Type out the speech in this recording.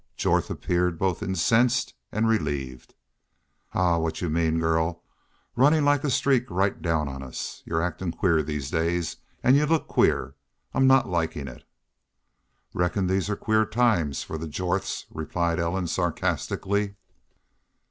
Jorth appeared both incensed and relieved. "Hah! ... What you mean, girl, runnin' like a streak right down on us? You're actin' queer these days, an' you look queer. I'm not likin' it." "Reckon these are queer times for the Jorths," replied Ellen, sarcastically.